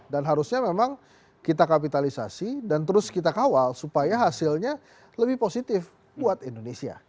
dan harusnya memang kita kapitalisasi dan terus kita kawal supaya hasilnya lebih positif buat indonesia